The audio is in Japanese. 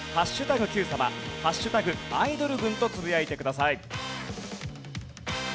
Ｑさま＃アイドル軍とつぶやいてください。